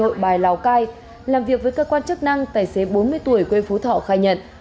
nội bài lào cai làm việc với cơ quan chức năng tài xế bốn mươi tuổi quê phú thọ khai nhận